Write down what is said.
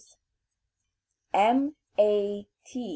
M. A. T.